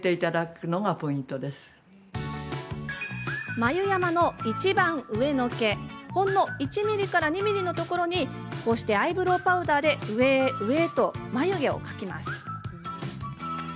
眉山のいちばん上の毛ほんの１ｍｍから２ｍｍのところにアイブロウパウダーで上へ上へと眉毛を描きます。